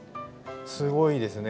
すごいですね